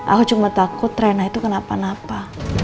aku cuma takut trena itu kenapa napa